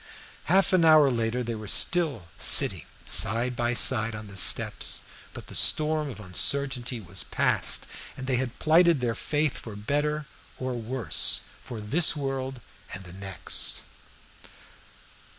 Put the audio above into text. Half an hour later they were still sitting side by side on the steps, but the storm of uncertainty was passed, and they had plighted their faith for better and for worse, for this world and the next.